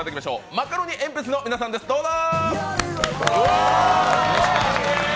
マカロニえんぴつの皆さんです、どうぞ！